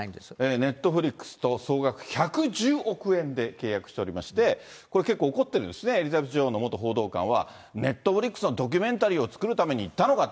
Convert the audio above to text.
ネットフリックスと総額１１０億円で契約しておりまして、これ結構、怒ってるんですね、エリザベス女王の元報道官は、ネットフリックスのドキュメンタリー作るために行ったのかと。